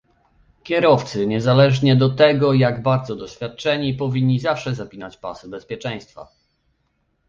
Kierowcy, niezależnie do tego, jak bardzo doświadczeni, powinni zawsze zapinać pasy bezpieczeństwa